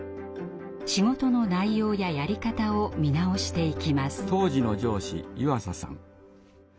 仕事の内容ややり方を見直していきます。